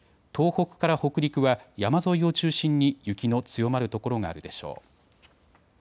東北から北陸は山沿いを中心に雪の強まる所があるでしょう。